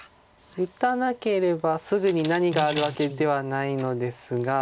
打たなければすぐに何があるわけではないのですが。